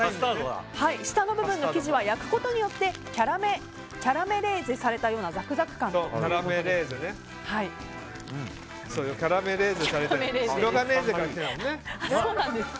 下の部分の生地は焼くことによってキャラメレーゼされたようなザクザク感だということです。